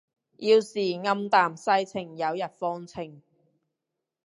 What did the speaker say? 要是暗淡世情有日放晴